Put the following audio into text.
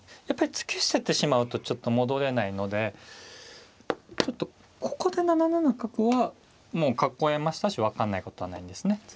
やっぱり突き捨ててしまうとちょっと戻れないのでちょっとここで７七角はもう囲えましたし分かんないことはないんですね。